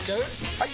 ・はい！